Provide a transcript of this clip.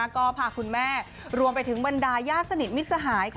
ก็พาคุณแม่รวมไปถึงบรรดาญาติสนิทมิตรสหาย